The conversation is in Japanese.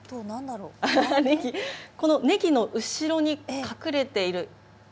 ねぎ、このねぎの後ろに隠れている。